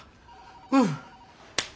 うん。